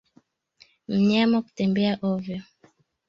Mnyama kutembea ovyo